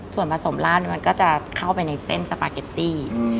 ส่วนผสมลาดมันก็จะเข้าไปในเส้นสปาเกตตี้